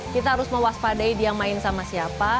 kita harus mewaspadai dia main sama siapa